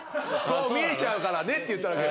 そう見えちゃうからねって言っただけ。